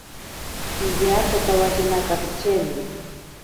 Piyakotawakena kapicheni.